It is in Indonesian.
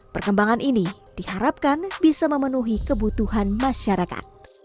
perkembangan ini diharapkan bisa memenuhi kebutuhan masyarakat